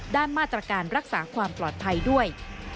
ด้านมาตรการรักษาความปลอดภัยด้วย